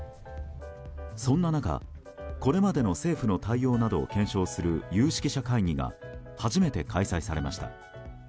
そんな中、これまでの政府の対応などを検証する有識者会議が初めて開催されました。